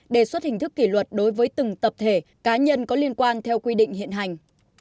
đề xuất hình thức kỷ luật đối với từng tập thể cá nhân có liên quan theo quy định hiện hành